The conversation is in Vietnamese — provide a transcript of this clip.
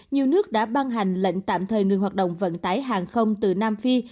nhiều nước đã ban hành lệnh tạm thời ngừng hoạt động vận tải hàng không từ nam phi